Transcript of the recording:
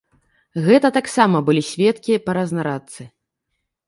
Гэта таксама былі сведкі па разнарадцы.